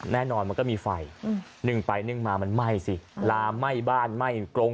มันก็มีไฟนึ่งไปนึ่งมามันไหม้สิลามไหม้บ้านไหม้กรง